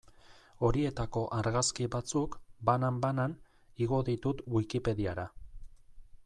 Horietako argazki batzuk, banan-banan, igo ditut Wikipediara.